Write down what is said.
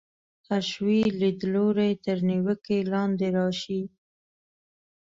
حشوي لیدلوری تر نیوکې لاندې راشي.